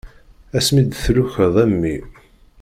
Ass mi d-tlukeḍ a mmi.